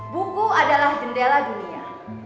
buku adalah jendela dunia